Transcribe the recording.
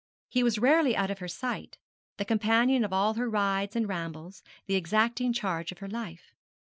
He was rarely out of her sight, the companion of all her rides and rambles, the exacting charge of her life.